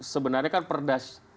sebenarnya kan perda